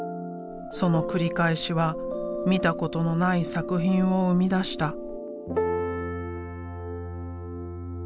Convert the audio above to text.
その繰り返しは見たことのない作品を生み出した。